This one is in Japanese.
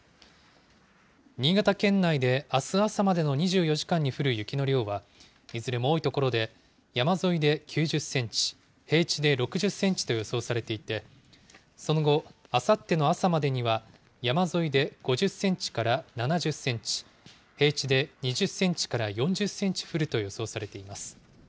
新潟県内であす朝までの２４時間に降る雪の量は、いずれも多い所で、山沿いで９０センチ、平地で６０センチと予想されていて、その後、あさっての朝までには、山沿いで５０センチから７０センチ、平地で２０センチから４０センチ降ると予想されています。